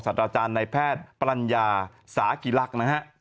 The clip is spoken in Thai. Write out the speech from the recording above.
สัตวาสดัจารย์นายแพทย์ปรรญญาสากลีหลักนะฮะ